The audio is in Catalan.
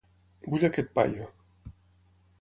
Vull a aquest paio.